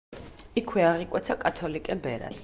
იქვე აღიკვეცა კათოლიკე ბერად.